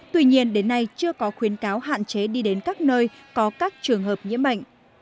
tuy nhiên đến nay chưa có khuyến cáo hạn chế đi đến các nơi có các trường hợp nhiễm bệnh